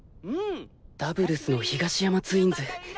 ダブルスの東山ツインズ